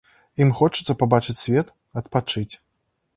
Ім хочацца пабачыць свет, адпачыць.